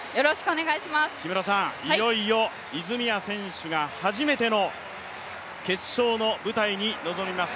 いよいよ泉谷選手が初めての決勝の舞台に臨みます。